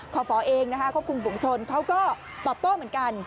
ฝเองนะคะควบคุมฝุงชนเขาก็ตอบโต้เหมือนกัน